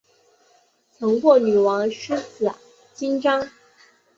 曾获女王诗词金章。